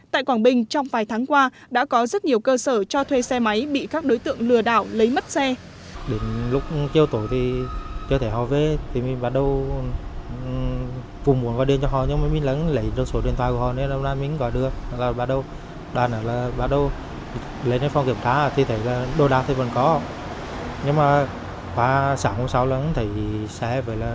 tại quảng bình trong vài tháng qua đã có rất nhiều cơ sở cho thuê xe máy bị các đối tượng lừa đảo lấy mất xe